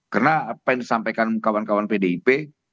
karena apa yang disampaikan kawan kawan pdip